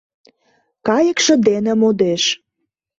Кайыкше дене модеш.